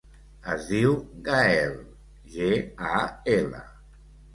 Es diu Gaël: ge, a, ela.